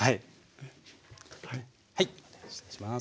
はい失礼します。